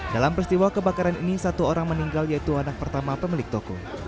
dalam peristiwa kebakaran ini satu orang meninggal yaitu anak pertama pemilik toko